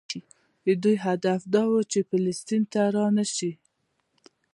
د دوی هدف دا دی چې فلسطین ته رانشي.